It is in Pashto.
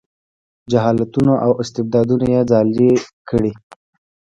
جهالتونو او استبدادونو یې ځالې کړي.